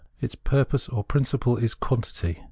Its purpose or principle is quantity.